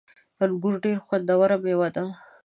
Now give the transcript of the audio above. انګور ډیره خوندوره میوه ده